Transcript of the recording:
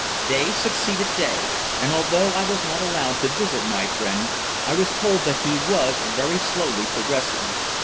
Day succeeded day, and although I was not allowed to visit my friend, I was told that he was very slowly progressing.